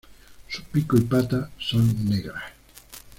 Su pico y patas son negras.